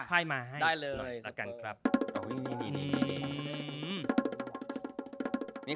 อาห์ได้เลย